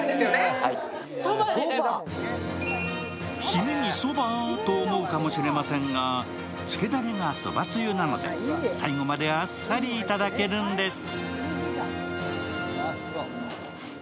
シメにそば？と思うかもしれませんが、つけだれがそばつゆなので、最後まであっさりいただけるんです。